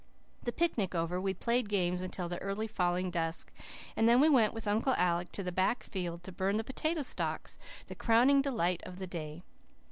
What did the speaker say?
The picnic over, we played games until the early falling dusk, and then we went with Uncle Alec to the back field to burn the potato stalks the crowning delight of the day.